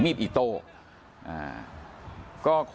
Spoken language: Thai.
มีคลิปก่อนนะครับ